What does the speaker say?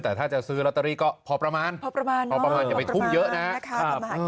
แต่ถ้าจะซื้อลอตารีก็พอประมาณอย่าไปทุ่มเยอะนะ